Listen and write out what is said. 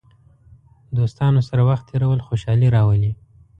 دوستانو سره وخت تېرول خوشحالي راولي.